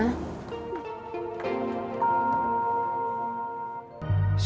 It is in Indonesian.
bunga dari siapa juga